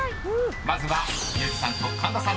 ［まずは結木さんと神田さんの対決］